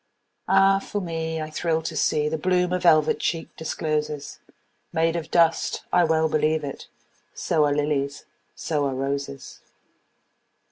Ah, for me, I thrill to seeThe bloom a velvet cheek discloses, Made of dust—I well believe it! So are lilies, so are roses!